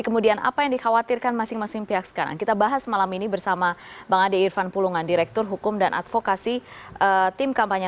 kemudian ada juga iya